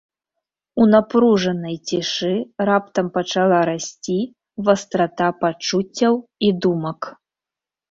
У напружанай цішы раптам пачала расці вастрата пачуццяў і думак.